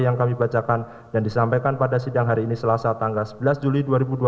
yang kami bacakan dan disampaikan pada sidang hari ini selasa tanggal sebelas juli dua ribu dua puluh